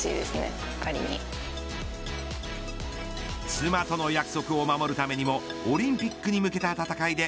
妻との約束を守るためにもオリンピックに向けた戦いで